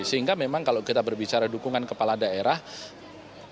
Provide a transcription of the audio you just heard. sehingga memang kalau kita berbicara dukungan kepala daerah